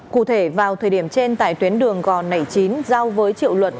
cụ thể vào thời điểm trên tại tuyến đường gò nẻ chín giao với triệu luật